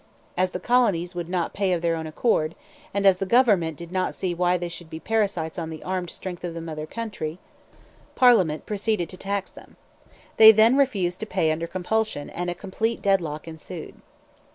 As the colonies would not pay of their own accord, and as the government did not see why they should be parasites on the armed strength of the mother country, parliament proceeded to tax them. They then refused to pay under compulsion; and a complete deadlock ensued.